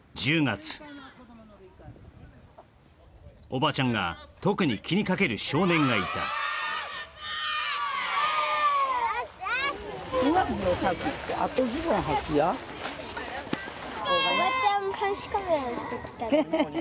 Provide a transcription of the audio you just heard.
おばちゃんが特に気にかける少年がいたよしよし！